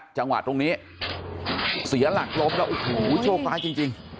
จังหวะตรงนี้เสียหลักล้มแล้วโอ้โหโชคร้ายจริง